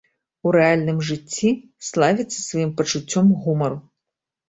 У рэальным жыцці славіцца сваім пачуццём гумару.